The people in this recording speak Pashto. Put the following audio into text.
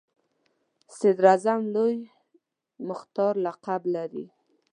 صدراعظم لوی مختار لقب لري.